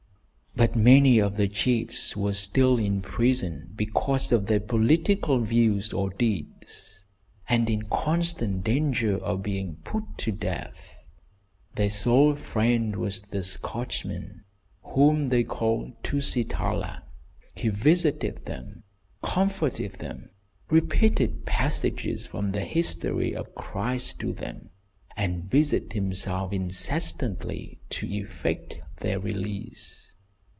But many of the chiefs were still in prison, because of their political views or deeds, and in constant danger of being put to death. Their sole friend was the Scotchman, whom they called Tusitala. He visited them, comforted them, repeated passages from the history of Christ to them, and busied himself incessantly to effect their release.